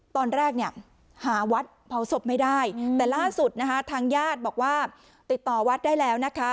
ตอนแรกเนี่ยหาวัดเผาศพไม่ได้แต่ล่าสุดนะคะทางญาติบอกว่าติดต่อวัดได้แล้วนะคะ